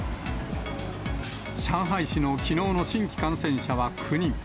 上海市のきのうの新規感染者は９人。